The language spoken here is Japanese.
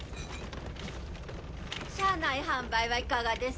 車内販売はいかがです？